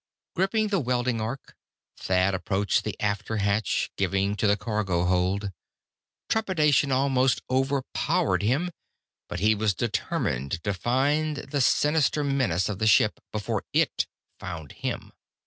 Gripping the welding arc, Thad approached the after hatch, giving to the cargo hold. Trepidation almost overpowered him, but he was determined to find the sinister menace of the ship, before it found him.